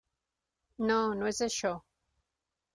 No, no és això.